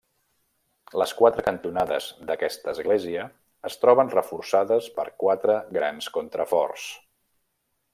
Les quatre cantonades d'aquesta església es troben reforçades per quatre grans contraforts.